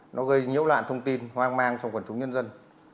nó gây nhiễu loạn thông tin hoang mang trong quần chúng nhân dân